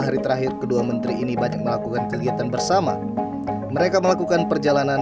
hari terakhir kedua menteri ini banyak melakukan kegiatan bersama mereka melakukan perjalanan